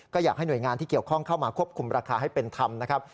ก็อยากให้หน่วยงานที่เกี่ยวข้องเข้ามาควบคุมราคาให้เป็นธรรมนะครับ